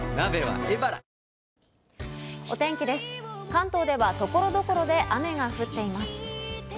関東では所々で雨が降っています。